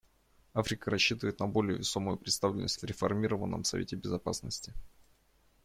Африка рассчитывает на более весомую представленность в реформированном Совете Безопасности.